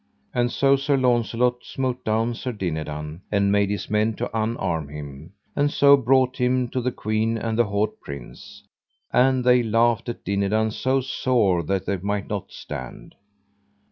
And so Sir Launcelot smote down Sir Dinadan, and made his men to unarm him, and so brought him to the queen and the haut prince, and they laughed at Dinadan so sore that they might not stand.